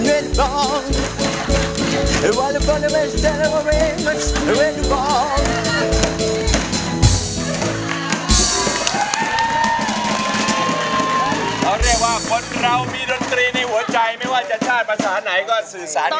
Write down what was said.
ไม่ว่าจะชาติภาษาไหนก็สื่อสารกันได้